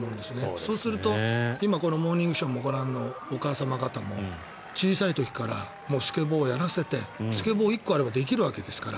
そうすると今「モーニングショー」をご覧のお母様方も、小さい時からもうスケボーをやらせてスケボー１個あればできるわけですから。